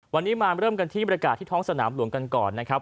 วันนี้มาเริ่มกันที่บริการที่ท้องสนามหลวงกันก่อนนะครับ